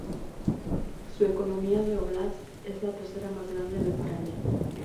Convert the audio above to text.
Su economía de óblast es la tercera más grande de Ucrania.